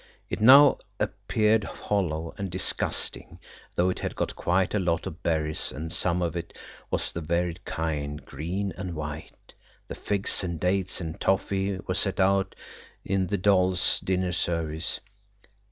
It now appeared hollow and disgusting, though it had got quite a lot of berries, and some of it was the varied kind–green and white. The figs and dates and toffee were set out in the doll's dinner service.